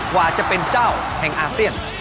ว่าจะเป็นเจ้าแห่งอาเซียน